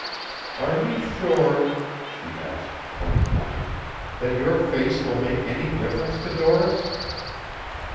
"Are you sure," she asked point blank, "that your face will make any difference to Doris?"